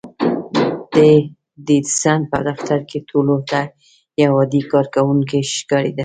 دی د ايډېسن په دفتر کې ټولو ته يو عادي کارکوونکی ښکارېده.